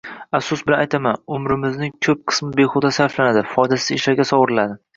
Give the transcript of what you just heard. Afsus bilan aytamiz, umrimizning ko‘p qismi behuda sarflanadi, foydasiz ishlarga sovuriladi.